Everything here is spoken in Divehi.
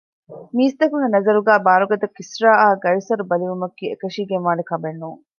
މީސްތަކުންގެ ނަޒަރުގައި ބާރުގަދަ ކިސްރާއާ ޤައިޞަރު ބަލިވުމަކީ އެކަށީގެންވާނޭ ކަމެއްނޫން